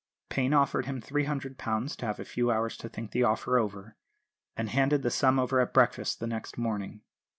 Payne offered him £300 to have a few hours to think the offer over, and handed the sum over at breakfast the next morning.